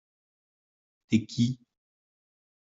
T’es qui ?